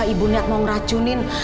ibu niat mau ngeracunin